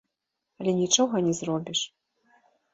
Але нічога не зробіш!